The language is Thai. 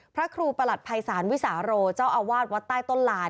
พระครูประหลัดภัยศาลวิสาโรเจ้าอาวาสวัดใต้ต้นลาน